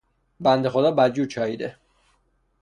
بنده خدا بدجور چاییده